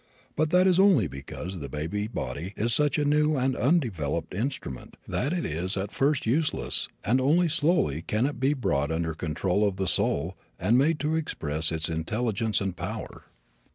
But that is only because the baby body is such a new and undeveloped instrument that it is at first useless and only slowly can it be brought under control of the soul and made to express its intelligence and power.